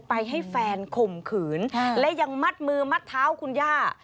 ให้แฟนข่มขืนและยังมัดมือมัดเท้าคุณย่า